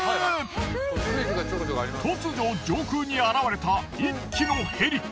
突如上空に現れた１機のヘリ。